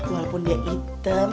walaupun dia item